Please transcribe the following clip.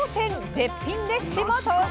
絶品レシピも登場。